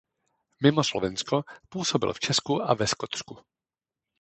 Mimo Slovensko působil v Česku a ve Skotsku.